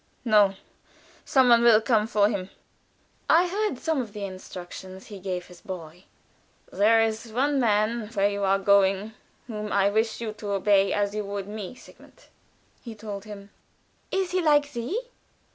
"No; some one will come for him." I heard some of the instructions he gave his boy. "There is one man where you are going, whom I wish you to obey as you would me, Sigmund," he told him. "Is he like thee?"